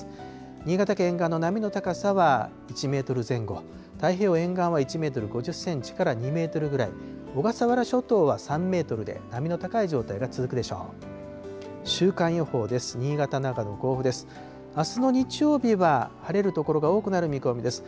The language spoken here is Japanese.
新潟県沿岸の波の高さは、１メートル前後、太平洋沿岸は１メートル５０センチから２メートルぐらい、小笠原諸島は３メートルで、波の高い状態が続くでしょう。